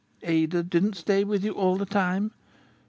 "Ada didn't stay with you all the time?"